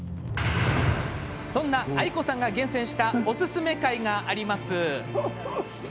そんな、あいこさんが厳選したおすすめ回があります。